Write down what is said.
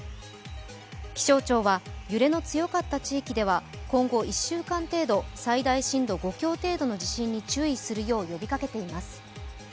気象庁は揺れの強かった地域では今後１週間程度、最大震度５強程度の地震に注意するよう呼びかけています。